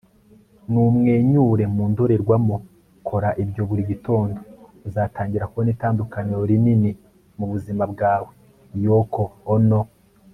numwenyure mu ndorerwamo. kora ibyo buri gitondo uzatangira kubona itandukaniro rinini mubuzima bwawe. - yoko ono